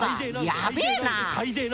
やべえな！